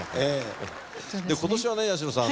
今年はね八代さん